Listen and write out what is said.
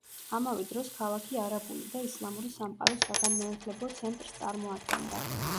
ამავე დროს, ქალაქი არაბული და ისლამური სამყაროს საგანმანათლებლო ცენტრს წარმოადგენდა.